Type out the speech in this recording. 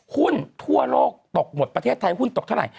หุ้นทั่วโลกตกหมดประเทศไทยหุ้นตกเท่าไหร